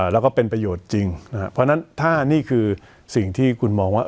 แล้วก็เป็นประโยชน์จริงนะครับเพราะฉะนั้นถ้านี่คือสิ่งที่คุณมองว่า